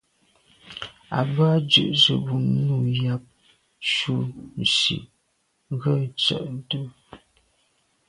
À bə́ á dʉ̀’ zə̄ bú nǔ yáp cû nsî rə̂ tsə̂də̀.